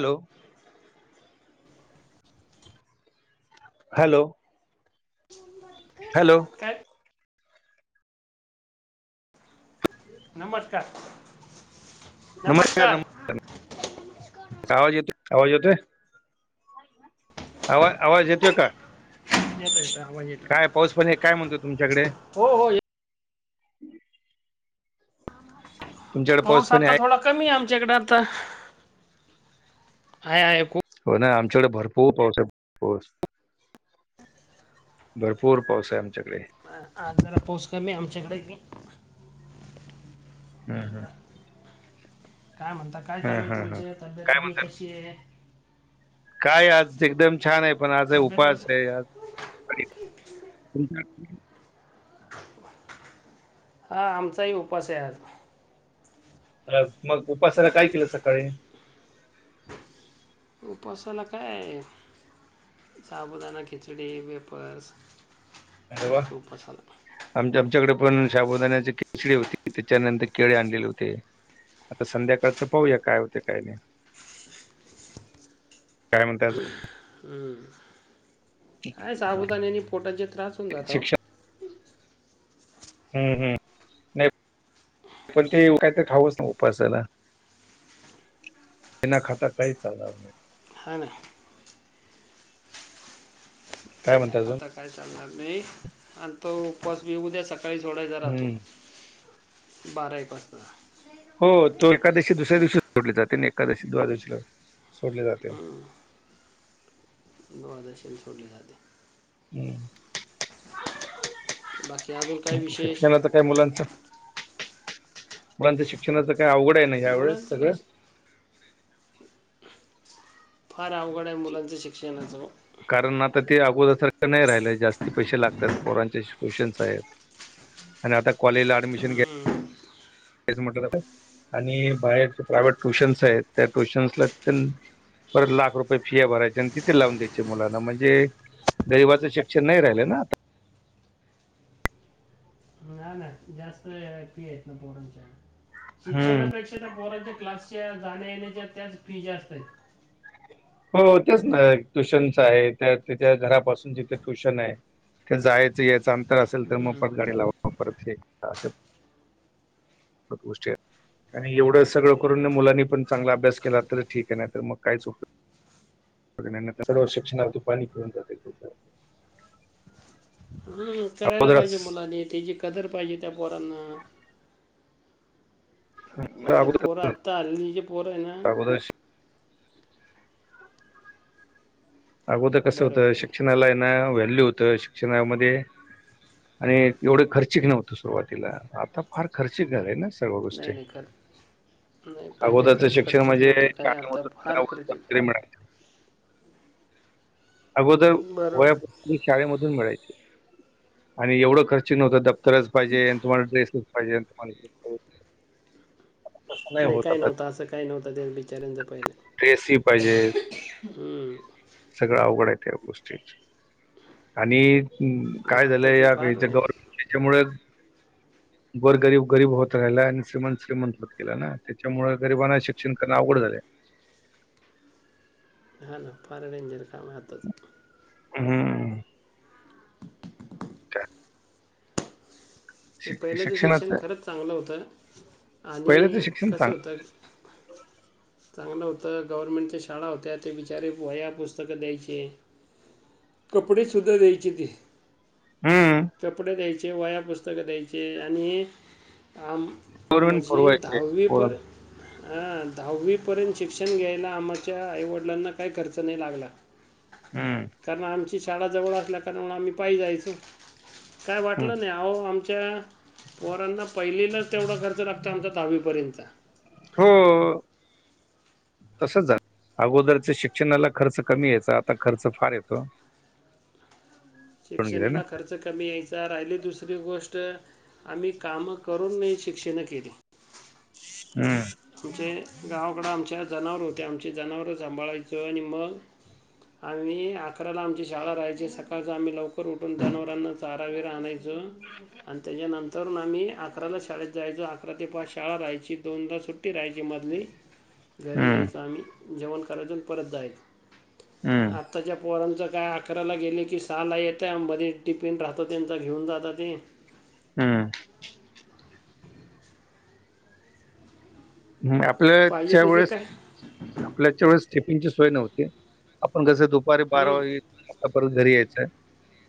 Hello hello [inaudible] [unintelligible] hello काय नमस्कार नमस्कार नमस्कार आवाज येतो आवाज येतोय. आवाज आवाज येतोय का,? [unintelligible] येतोय का आवाज येत काय पाऊस पाणी काय म्हणतो? तुमच्याकडे. हो हो ये तुमच्याकडे पाऊस पाणी आता आहे थोडा कमी आय आमच्याकडे आता हाय हाय खूप होना आमच्याकडे भरपूर पाऊस आहे पाऊस भरपूर पाऊस ये आमच्याकडे. आज जरा पाऊस कमी ये आमच्याकडे [unintelligible] हम्म हम्म [unintelligible] काय म्हणता काय हा चालूय हा तुमच हा तब्येत काय पाणी म्हणतात कशी ये. काय आज एकदम छान आहे. फराळाचं तब्येत उपवास ये वगैरे आज आज [unintelligible] [unintelligible] हा आमचाही उपास आहे आज हॅलो मग उपासाला काय केलंत सकाळी. उपासाला का ये साबुदाणा खिचडी वेपर्स अरे वा हे उपसाला आमच्या आमच्याकडे पण साबुदाण्याची खिचडी होती त्याच्यानंतर केळे आणलेले होते. आता संध्याकाळचं पाहूया काय होतय काय नाय. काय म्हणताय अजून. हम्म काय साबुदाण्या ने पोटाचे त्रास होऊन जाता हो. शिक्षण हम्म हम् नाय पण ते काही तर खाऊच न उपासाला न खाता काय चालणार नाय हा ना. काय बिना म्हणता अजून खाता काय चालणार नाही आणि तो उपस उद्या सकाळी सोडायचा राहतो. हम्म बारा एक वाजता हो तो एकादशी दुसऱ्या दिवशीच सोडली जाते. नाय का एकादशी दुवादशीला सोडले जाते. दुवादशीला सोडली जाते. हम् बाकी अजून काय [unintelligible] विशेष शिक्षणाचा काय मुलांच मुलांच शिक्षणाच काय अवघडच हाय ना यावेेळेस मुलांचं सगळं काय फार अवघड आहे मुलांचं शिक्षणाच कारण आता ते अगोदरसारखं नाही राहिलं जास्ती पैसे लागतात पोरांच शिकू क्षणाच आहेत आणि आता कॉलेजला ऍडमिशन घे आणि बाहेर ज प्रायव्हेट ट्युशन्स आहेत त्या ट्युशन्सला परत लाख रुपये फिया भरायच्या आणि तिथे लावून द्यायचे मुलांना म्हणजे, गरीबाचं शिक्षण नाही राहिलं ना आता, हा ना जास्त फी आहेत ना पोरणच्या हम्म शिक्षणापेक्षा पोरच्या क्लासच्या जाण्या येण्याच्या त्याच फी जास्त आहेत. हो हो त्याच ना ट्युशनच आहे, त्या त्याच्या घरापासून जिथे ट्यूशन आहे. ते जायचं यायचं अंतर असेल तर हम्म. मोफत गाडी ला परत हे असं. [inaudible] आणि एवढं सगळं करून मुलांनी पण चांगला अभ्यास केला तर ठीक आहे, नाही तर मग कायच उपयोग [unintelligible] सर्व शिक्षणावर ती पाणी फिरून जातंय [unintelligible] हा करायला अगोदरच पाहिजे मुलांनी, तेची कदर पाहिजे त्या पोरांना. नाहीतर पोरं अगोदर आता हल्लीची पोर आहे ना. अगोदर अगोदर कसं होतं शिक्षणाला आहे ना व्हॅल्यू होतं शिक्षणामध्ये, आणि एवढं खर्चिक नव्हतं सुरुवातीला आता फार खर्चिक झालंय. सर्व गोष्टी नाही नाही खरं नाही पहिले अगोदरच खरंच शिक्षण खर्चिक म्हणजे [unintelligible] नव्हतं काय आता फार खर्चिक अगोदर बरोबर वही शाळेमधून मिळायचे आणि एवढं खर्च नव्हतं दप्तरच पाहिजे तुम्हाला टेस्टच पाहिजे [inaudible] तसं नाही होत काय आता नव्हतं असं काय नव्हतं त्या बिचाऱ्यांच पहिले, टेसी पाहिजेत. हम्म. सगळं अवघड आहे त्या गोष्टीची आणि हम् नाही काय झालंय आत्ताचे या फार यांच्या गव्हर्मेंट याच्यामुळेच गोरगरीब गरीब होत राहिला आणि श्रीमंत श्रीमंत होत गेला ना त्याच्यामुळे गरिबांना शिक्षण करता अवघड झालय. हा ना फार डेंजर काम आताच. हम्म [inaudible] [inaudible] ते शिक- पहिल्याचं शिक्षण शिक्षणाचं खरंच चांगलं होत हा पहिल्याचं आणि शिक्षण कसं चांगलं होतं. चांगलं होतं गव्हर्नमेंटच्या शाळा होत्या, ते बिचारे वया पुस्तकं द्यायचे. कपडे सुद्धा द्यायचे ते. हम्म कपडे द्यायचे वया पुस्तकं द्यायचे आणि आ गव्हर्नमेंट म्हजी पुरवायचे दहावी पोरण पर्यंत, हा दहावी पर्यंत शिक्षण घ्यायला आमच्या आईवडिलांना काही खर्च नाही लागला. हम्म कारण आमची शाळा जवळ असल्या कारणामुळे आम्ही पाय जायचो. काय वाटलं नाही अहो आमच्या पोरांना पहिलीला- तेवढा खर्च लागतो आमचा दहावीपर्यंत. हो... तसंच झालं अगोदरच शिक्षणाला खर्च कमी यायचा आता खर्च फार येतो. गेले ना शिक्षणाला खर्च. खर्च कमी यायचं, राहिली दुसरी गोष्ट आम्ही कामं करून नाही शिक्षेनं केली. हम्म आमचे गावाकडं आमच्या जनावर होत्या, आमची जनावर सांभाळायचं आणि मग, आणि अकराला आमची शाळा राहायची सकाळच आम्ही लवकर उठून जनावरांना चारा बिरा आणायचो आणि त्याज्यानंतरन आम्ही अकराला शाळेत जायचो अकरा ते पाच शाळा राहायची दोनदा सुट टी राहायची मधली घरी हम्म यायच आम्ही जेवण करायचो आणि परत जायच आ हम्म आत्ताच्या पोरांचं काय अकराला गेले की सहाला येत्या मध्ये एक टिफिन राहतं त्यांचं घेऊन जातं ते हू हू पाहिजे आपल्याच्या तसे वेळेस काय आपल्याच्या वेळेस टिफीनची सोय नव्हती आपण कसे दुपारी बारा हं. वाजले का परत घरी यायचं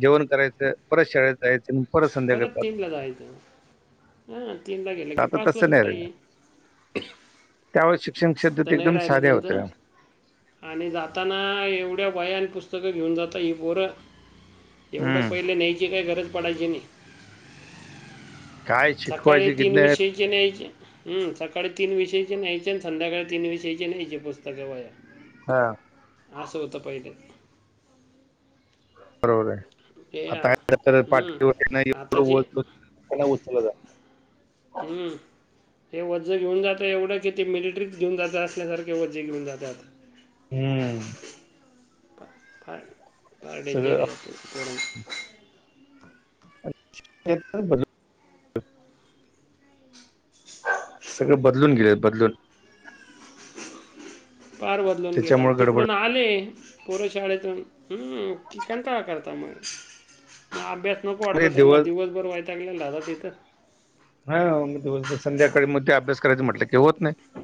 जेवण करायचं परत शाळेत जायचं संध्याकाळी परत पाच तीनला जायचं हा तीनला गेलं की आता पाचला तसं नाही राहिलं सुटायची त्यावेळेस शिक्षण क्षेत्र तर नाही एकदम राहिलं साध्या त्यांचं होत्या आणि जाताना एवढ्या वया आणि पुस्तकं घेऊन जाता ही पोर एवढं हम्म पहिलं न्यायची काय गरज पडायची नाही काय सकाळी शिकवायचे की तीन नाही विषयचे न्यायचे हू सकाळी तीन विषयचे न्यायचे आणि संध्याकाळी तीन विषयचे न्यायचे पुस्तकं वह्या हा अस होत पहिले बरोबर आहे हे आत- आता हं. पाठीवर एवढं आताचे ओझं उचललं जात हू वझ घेऊन जातं एवढं की ते मिलेट्रीत घेऊन जात असल्यासारख वजे घेऊन जातात हू फा- फार फार डेंजर सगळं आहे ते पोरांचं ट्रॅक्टर बर सगळं बदलून गेल बदलून फार बदलून गेला त्याच्यामुळे गडबड तिकडून आले पोर शाळेेतुण हू की कंटाळा करता म मग अभ्यास नको म्हणजे वाटतो त्यांना दिवस दिवसभर वयतागलेल राहता तिथं हा मग संध्याकाळी मग ते अभ्यास करायच म्हटलं की होत नाही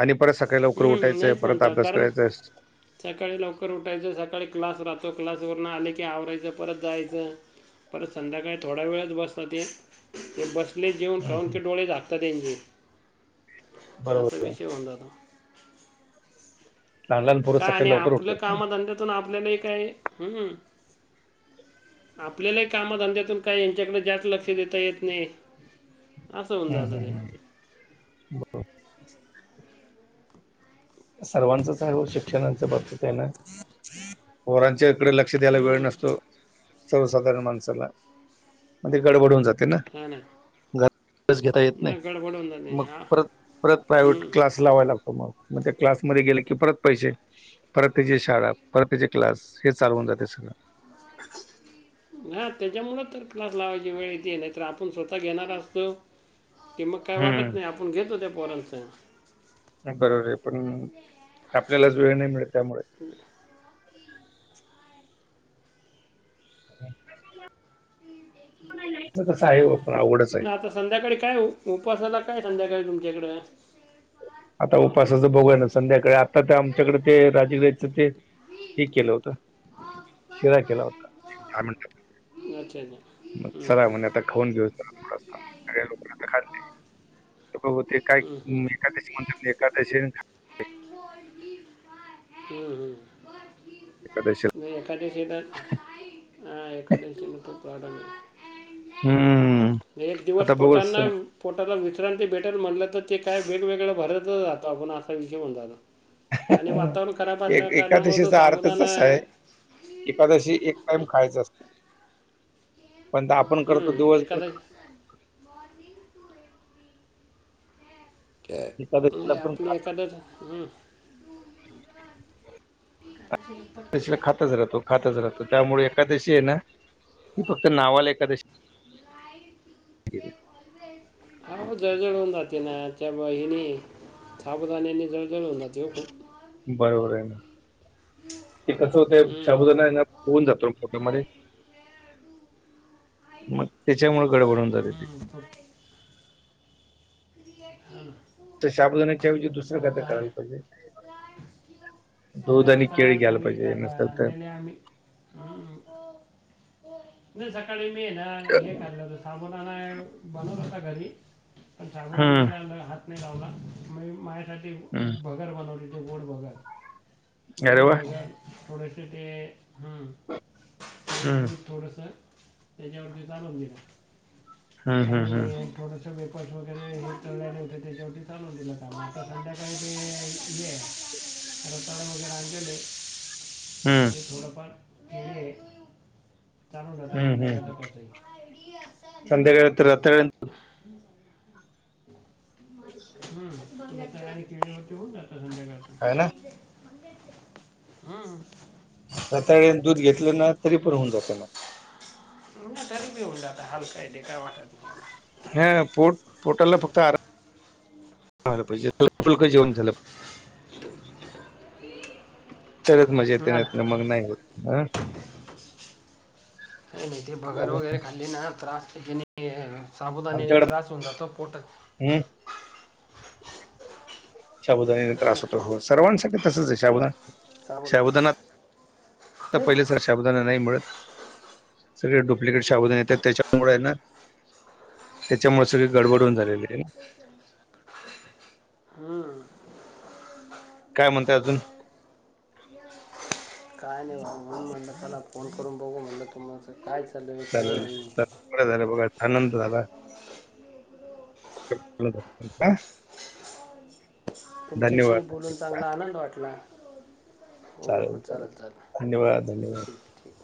आणि परत सकाळी लवकर हम्म, उठायचंय नाहीच परत म्हणता अभ्यास कारण करायचाय सकाळी लवकर उठायचं सकाळी क्लास राहतो क्लासवरून आले की आवरायचं परत जायचं परत संध्याकाळी थोडा वेळच बसता ते ते बस थकले जेवून खाऊन की आहे डोळे झाकतात त्यांचे असा बरोबर आहे विषय होऊन जातो लहान लहान पोरं काय सकाळी आणि लवकर आपलं उठतात कामधंद्यातून आपल्यालाही काय हू आपल्यालाही कामधंद्यातून काय यांच्याकड जास्त लक्ष देता येत नाही असं होऊन जातं ते सर्वांचच आहे ओ शिक्षणाच्या बाबतीत आहेना पोरांच्या कडे लक्ष द्यायला वेळ हम्म, नसतो सर्वसाधारण माणसाला म ते गडबड होऊन जाते तेना हा ना घरी अभ्यास घेता येत नाही मग गडबड होऊन जाते मग हा परत परत प्रायव्हेट हम्म. क्लास लावाय लागतो मग म त्या क्लासमध्ये गेल की परत पैसे परत त्याची शाळा परत त्याचे क्लास हे चालु होऊन जाते सगळं [unintelligible] हा त्याच्यामुळंच तर क्लास लावायची वेळ येते नाही तर आपण स्वतः घेणार असतो की मग काय वाटत हम्म नाही आपण घेतो त्या पोरांचं नाही बरोबर आहे पण आपल्यालाच वेळ नाही मिळत त्यामुळे कस आहे ओ पण आवडच आहे. ना आता संध्याकाळी काय उपसाला काय संध्याकाळी तुमच्याकड आता उपासाचं बघूया संध्याकाळी आता ते आमच्याकडे ते राजगीऱ्याचं ते हे केलं होतं. शिरा केला होता काय म्हणत्यात त्याला अच्छा अच्छा हम्म, मग चला म्हणे आता खाऊन घेऊ थोड थोडंस सगळ्यां लोकान तर खाते हम्म. होते काय हम्म, हम्म, एकादशी म्हण एकादशी न हम्म. हम्म. एकादशीला मी एकादशीला ह एकादशीला फराळ हम्मम. एक दिवस पोटांना वि पोटाला विश्रांती भेटल म्हटलं तर ते काय वेगवेगळं भरत जातं आपण असा विषय होऊन जायला. आणि वातावरण खराब असल्या एक कारणामुळे तो एकादशीचा अर्थच साबुदाणा असा आहे एकादशी एक टाइम खायच असत पण आपण करतो हम्म, दिवसभर एकादशी ते नाही एकादशीला पण आपली खा- एकादस हमं त खातच राहतो खातच राहतो त्यामुळे एकादशी आहे ना की फक्त नावाला एकादशी. [unintelligible] हो जळजळ होऊन जाते ना त्या बा हिनी साबुदाण्याने जळजळ होऊन जाते हो खूप. बरोबर आहे. ते कसं होतय हम्म. साबुदाणा फुगून जातो पोटामध्ये. मग त्याच्यामुळे गडबड होऊन जाते ती. हम्म, हम् साबुदाण्याच्या ऐवजी दुसरे काहीतरी करायला पाहिजे. तीने दूध आणि आता केळी घ्यायला सांगितलं पाहिजे आता नसेल तर अनने आम्ही हम. सकाळी मी ना हे खाल्ला होता साबुदाणा बनवला होता घरी. पण हम्म, साबुदाण्याला हात नाही लावला माझ्यासाठी हम्म. बनवलेलं गोड भगर अरे गोड वा भगर. थोडंसे ते हां हम्म, दूध थोडंसं त्याच्यावरती चालवून दिला. हम्म, हम्म, आणि हम्म, थोडस. वेपर्स वगैरे तळले होते त्याच्यावर चालवून दिलं आता संध्याकाळी ते हे रताळ वगैरे आणलेले. हम्म, ते थोडेफार केळी आहेत. चालून राहतं हम्म, हम्म. संध्याकाळचं कसंही. रताळ्याने हम् रताळे आणि केळी वरती होऊन जातं आहे ना संध्याकाळी. हा. रताळे आणि दूध घेतलं ना तरी पूरं. जातं. हलक आहे ते काही वाटत नाही. एवढं. हा पोट पोटाला फक्त आ झालं पाहिजे, हलकं -फुलकं जेवण झालं तरच मजा येत ना येत मग नाही होत.. अं... काय नाही ते भगर वगैरे खाल्ली ना तर त्रास मी या.. साबुदाण्याने त्रास होऊन जातो पोटात हम् साबुदाणाने त्रास होतो, हो.. सर्वांसाठी तसंच आहे साबुदाणा साबुद साबुदाणा.. आता पहिल्यासारखा साबुदाणा नाही मिळत.. सगळे डुप्लिकेट साबुदाणे येतात, त्याच्यामुळे है ना त्याच्यामुळे सगळे गडबड झालेली आहे. हम्म काय म्हणताय अजून? [inaudible] काय नाही बाबा म्हणून म्हणलं चला फोन करून बघू तुम्हाला काय चालू आहे? काय नाही [unintelligible] आनंद झाला. [unintelligible] धन्यवाद तुमच्याशी चालेल बोलून चांगला आनंद वाटला. चालेल.. चालेल.. धन्यवाद.. धन्यवाद.. ठीक ठीक